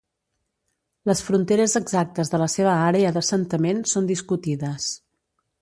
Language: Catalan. Les fronteres exactes de la seva àrea d'assentament són discutides.